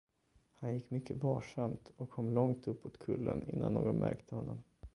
Han gick mycket varsamt och kom långt uppåt kullen, innan någon märkte honom.